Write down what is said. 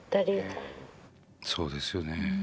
そうですよね。